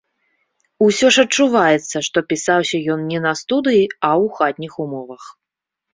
Усё ж адчуваецца, што пісаўся ён не на студыі, а ў хатніх умовах.